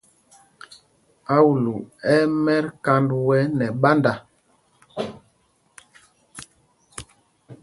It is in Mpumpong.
Aūlū ɛ́ ɛ́ mɛt kánd wɛ nɛ ɓánda.